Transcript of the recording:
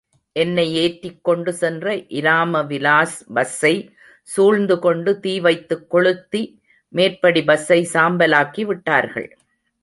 என்னை ஏற்றிக் கொண்டு சென்ற இராமவிலாஸ் பஸ்ஸை சூழ்ந்துகொண்டு தீ வைத்துக் கொளுத்தி மேற்படி பஸ்ஸை சாம்பலாக்கி விட்டார்கள்.